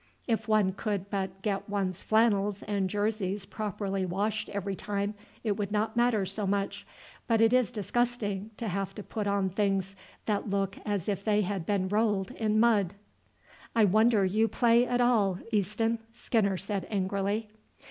If one could but get one's flannels and jerseys properly washed every time it would not matter so much, but it is disgusting to have to put on things that look as if they had been rolled in mud." "I wonder you play at all, Easton," Skinner said angrily.